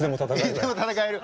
いつでも戦える？